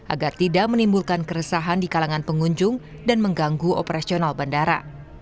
agar tidak menimbulkan keresahan di kalangan pengunjung dan mengganggu operasional bandara